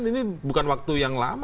ini bukan waktu yang lama